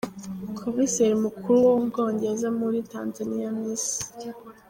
Komiseri mukuru w’u Bwongereza muri Tanzania Ms.